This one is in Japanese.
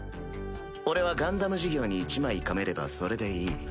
俺はガンダム事業に一枚かめればそれでいい。